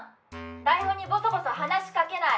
台本にぼそぼそ話しかけない